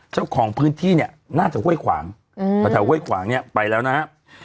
เจ้าของพื้นที่เนี่ยน่าจะห้วยขวางแถวห้วยขวางเนี่ยไปแล้วนะครับ